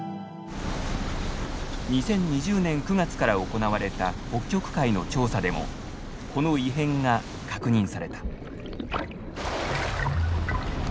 ２０２０年９月から行われた北極海の調査でもこの異変が確認された。